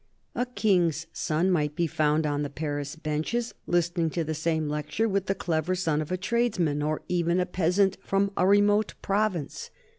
A king's 16 EARLY YEARS 17 son might be found on the Paris benches, listening to the same lecture with the clever son of a tradesman or even a peasant from a remote province.